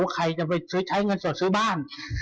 ใครจะไปใช้เงินสดซื้อบ้าน